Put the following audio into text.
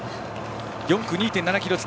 ４区２．７ｋｍ地点